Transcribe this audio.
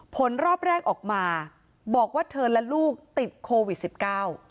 ผลรอบแรกออกมาบอกว่าเธอและลูกติดโควิดสิบเก้า